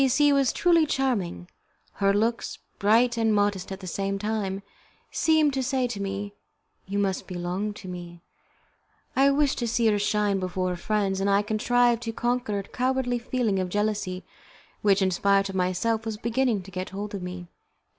C C was truly charming; her looks, bright and modest at the same time, seemed to say to me, "You must belong to me." I wished to see her shine before our friends; and I contrived to conquer a cowardly feeling of jealousy which, in spite of myself, was beginning to get hold of me.